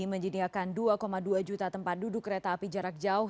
menyediakan dua dua juta tempat duduk kereta api jarak jauh